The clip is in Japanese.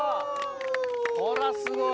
これはすごい。